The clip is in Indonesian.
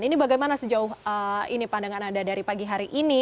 ini bagaimana sejauh ini pandangan anda dari pagi hari ini